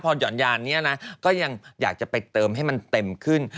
พอหย่อนยานนี้นะก็ยังอยากจะไปเติมให้มันเต็มขึ้น